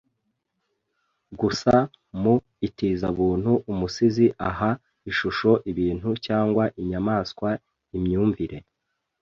Gusa mu itizabuntu umusizi aha ishusho ibintu cyangwa inyamaswa imyumvire